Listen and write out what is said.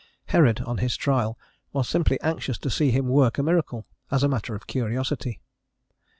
Herod, on his trial, was simply anxious to see him work a miracle, as a matter of curiosity.